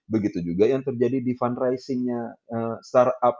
begitu juga yang terjadi di fundraising nya startup